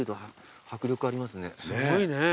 すごいね。